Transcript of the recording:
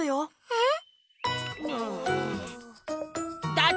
えっ？